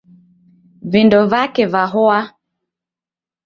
Vindo vake vahoa.